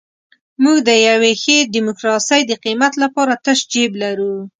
موږ د یوې ښې ډیموکراسۍ د قیمت لپاره تش جیب لرو.